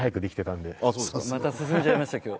また進んじゃいました今日。